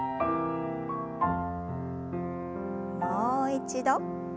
もう一度。